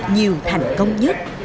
nhiều thành công nhất